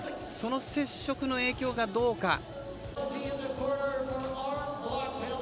その接触の影響がどうか。